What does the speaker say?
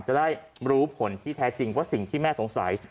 จะได้รู้ผลที่แท้จริงว่าสิ่งที่แม่สงสัย